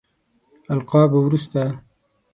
القابو وروسته.